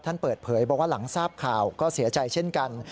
เปิดเผยบอกว่าหลังทราบข่าวก็เสียใจเช่นกัน